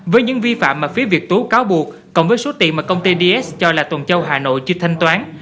với những vi phạm mà phía việt tố cáo buộc cộng với số tiền mà công ty ds cho là tuần châu hà nội chưa thanh toán